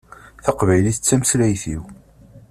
Taqbaylit d tameslayt-iw